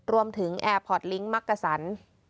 รวมถึงแอร์พอร์ตลิงค์มะกะสัน